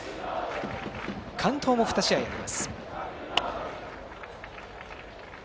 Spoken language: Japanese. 完投も２試合あります。